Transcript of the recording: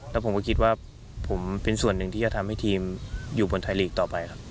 แล้วผมก็คิดว่าผมเป็นส่วนหนึ่งที่จะทำให้ทีมอยู่บนไทยลีกต่อไปครับ